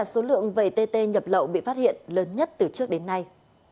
số lượng vẩy tê nhập lậu bị phát hiện lớn nhất từ trước đến nay